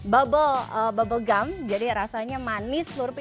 bubble gum jadi rasanya manis slurpee